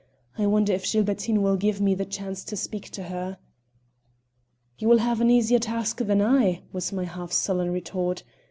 I wonder if Gilbertine will give me the chance to speak to her." "You will have an easier task than I," was my half sullen retort.